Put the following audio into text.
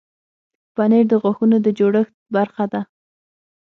پنېر د غاښونو د جوړښت برخه ده.